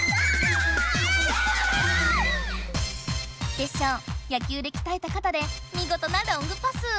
テッショウ野球できたえたかたでみごとなロングパス！